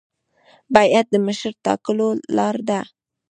بیعت د مشر ټاکلو لار ده